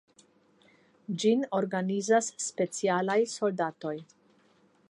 Ĝin organizas specialaj soldatoj.